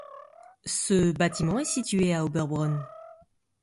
Ce bâtiment est situé à Oberbronn.